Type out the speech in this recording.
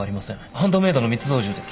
ハンドメイドの密造銃です